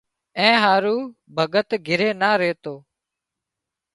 اين هارو ڀڳت گھري نا ريتو